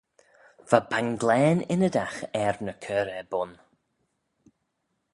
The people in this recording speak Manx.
Va banglane ynnydagh er ny cur er bun.